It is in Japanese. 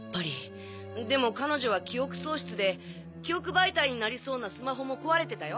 でも彼女は記憶喪失で記憶媒体になりそうなスマホも壊れてたよ。